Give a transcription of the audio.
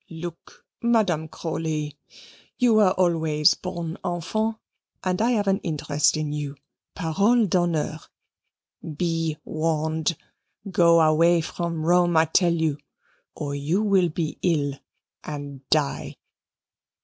Look, Madame Crawley, you were always bon enfant, and I have an interest in you, parole d'honneur. Be warned. Go away from Rome, I tell you or you will be ill and die."